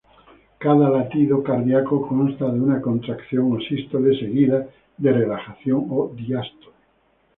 Cada latido cardiaco consta de una contracción o sístole, seguida de relajación o diástole.